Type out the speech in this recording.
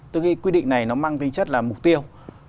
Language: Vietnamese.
tôi nghĩ quy định này nó mang tính chất là mục tiêu